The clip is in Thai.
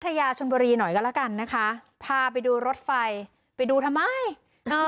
ยาชนบุรีหน่อยก็แล้วกันนะคะพาไปดูรถไฟไปดูทำไมอ่า